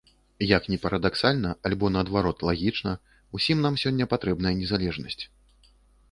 Як ні парадаксальна альбо, наадварот, лагічна, усім нам сёння патрэбная незалежнасць.